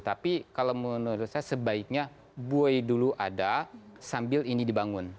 tapi kalau menurut saya sebaiknya buoy dulu ada sambil ini dibangun